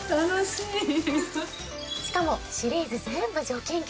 しかもシリーズ全部除菌機能付き。